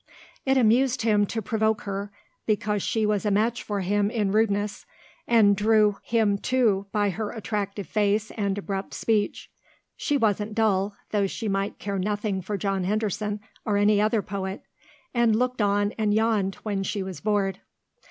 It amused him to provoke her, because she was a match for him in rudeness, and drew him too by her attractive face and abrupt speech. She wasn't dull, though she might care nothing for John Henderson or any other poet, and looked on and yawned when she was bored.